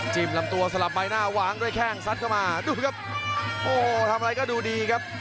ลำตัวสลับใบหน้าวางด้วยแข้งซัดเข้ามาดูครับโอ้โหทำอะไรก็ดูดีครับ